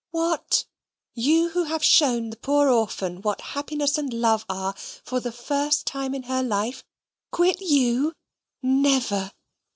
"What! you who have shown the poor orphan what happiness and love are for the first time in her life quit YOU? Never!"